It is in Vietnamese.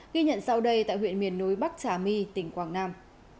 ghi nhận sau đây tại huyện miền núi bắc trà my tỉnh quảng nam